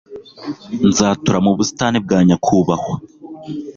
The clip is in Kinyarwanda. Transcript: nzatura mu busitani bwa nyakubahwa